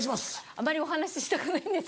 あまりお話ししたくないんです。